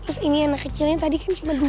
terus ini anak kecilnya tadi kan cuma dua